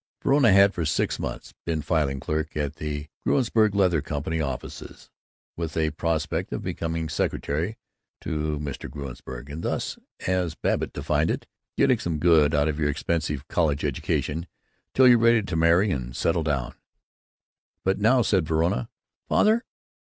Verona had for six months been filing clerk at the Gruensberg Leather Company offices, with a prospect of becoming secretary to Mr. Gruensberg and thus, as Babbitt defined it, "getting some good out of your expensive college education till you're ready to marry and settle down." But now said Verona: "Father!